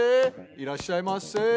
いらっしゃいませ！